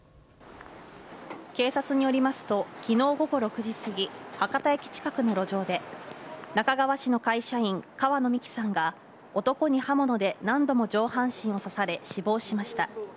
警察によりますときのう午後６時過ぎ、博多駅近くの路上で、那珂川市の会社員、川野美樹さんが男に刃物で何度も上半身を刺され死亡しました。